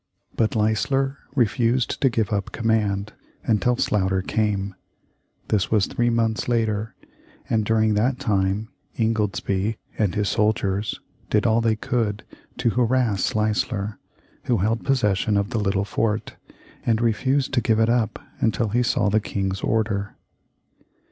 But Leisler refused to give up command until Sloughter came. This was three months later, and during that time Ingoldsby and his soldiers did all they could to harass Leisler, who held possession of the little fort, and refused to give it up until he saw the King's order.